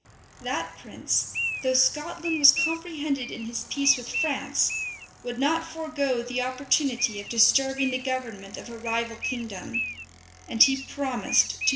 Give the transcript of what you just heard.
That prince, though Scotland was comprehended in his peace with France, would not forego the opportunity of disturbing the government of a rival kingdom; and he promised to take them under his protection.